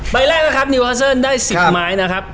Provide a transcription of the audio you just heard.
ใบแรกนะครับนิวฮัสเซิลได้๑๐ไม้นะครับ